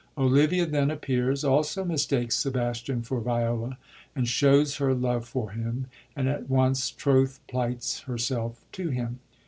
Olivia then appears, also mistakes Sebastian for Viola, and shows her love for him, and at once troth plights herself to him.